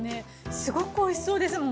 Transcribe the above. すごくおいしそうですもん。